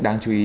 đáng chú ý